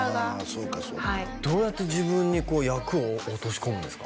そうかそうかどうやって自分に役を落とし込むんですか？